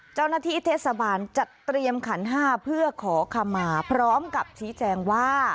เจ้าหน้าที่เทศบาลจัดเตรียมขันห้าเพื่อขอคำมาพร้อมกับชี้แจงว่า